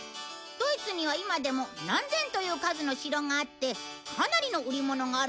ドイツには今でも何千という数の城があってかなりの売り物があるんだとさ。